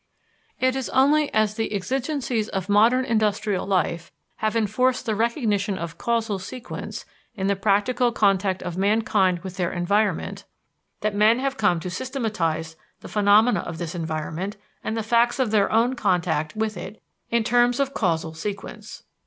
It is only as the exigencies of modern industrial life have enforced the recognition of causal sequence in the practical contact of mankind with their environment, that men have come to systematize the phenomena of this environment and the facts of their own contact with it in terms of causal sequence.